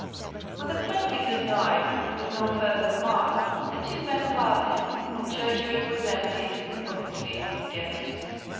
With a friendly good night, but no further remark, the two men parted, and the churchyard was emptied of its living guests.